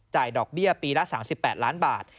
ดอกเบี้ยปีละ๓๘ล้านบาท